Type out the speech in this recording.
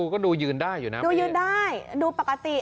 ก็ดูยืนได้อยู่นะดูปกติ